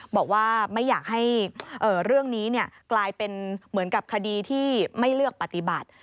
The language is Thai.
บอกว่าไม่อยากให้เรื่องนี้กลายเป็นเหมือนกับคดีที่ไม่เลือกปฏิบัติ